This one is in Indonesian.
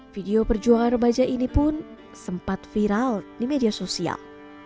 video perjuangan remaja ini pun sempat viral di media sosial